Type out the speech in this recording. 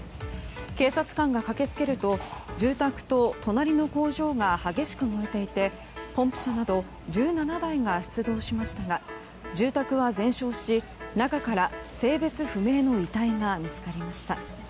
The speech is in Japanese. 警察官が駆け付けると住宅と隣の工場が激しく燃えていてポンプ車など１７台が出動しましたが住宅は全焼し中から性別不明の遺体が見つかりました。